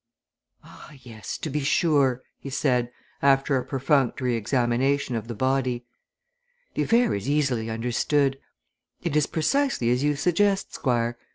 "Ah yes, to be sure!" he said, after a perfunctory examination of the body. "The affair is easily understood. It is precisely as you suggest, Squire.